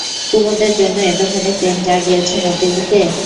কুমুদের জন্য এতখানি প্রেম জাগিয়াছে মতির বুকে?